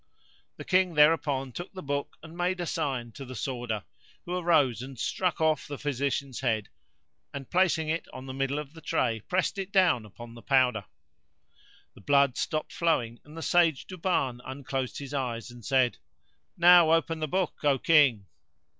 The King thereupon took the book and made a sign to the Sworder, who arose and struck off the physician's head, and placing it on the middle of the tray, pressed it down upon the powder. The blood stopped flowing, and the Sage Duban unclosed his eyes and said, "Now open the book, O King!"